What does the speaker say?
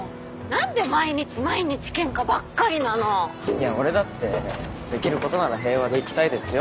いや俺だってできることなら平和でいきたいですよ。